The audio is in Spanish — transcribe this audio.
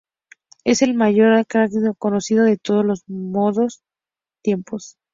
Es el mayor arácnido conocido de todos los tiempos.